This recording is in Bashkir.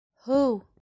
Һыу!